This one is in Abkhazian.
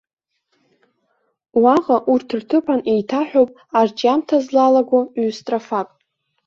Уаҟа урҭ рҭыԥан еиҭаҳәоуп арҿиамҭа злалаго ҩ-строфак.